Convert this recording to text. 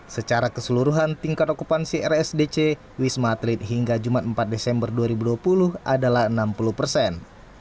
secara keseluruhan tingkat okupansi rsdc wisma atlet hingga jumat empat desember dua ribu dua puluh adalah enam puluh persen